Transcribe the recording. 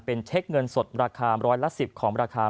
เป็นเช็คเงินสดราคาร้อยละ๑๐ของราคา